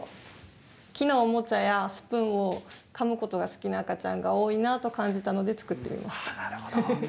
木のおもちゃやスプーンをかむことが好きな赤ちゃんが多いなと感じたので作ってみました。